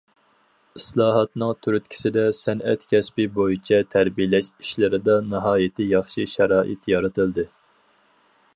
ئىسلاھاتنىڭ تۈرتكىسىدە سەنئەت كەسپى بويىچە تەربىيەلەش ئىشلىرىدا ناھايىتى ياخشى شارائىت يارىتىلدى.